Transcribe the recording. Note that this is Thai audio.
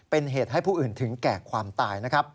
เป็นเหตุให้ผู้อื่นถึงแก่ความตายนะครับ